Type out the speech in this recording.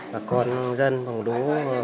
bà con dân bằng đú